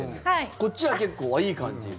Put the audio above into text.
こっちは結構いい感じ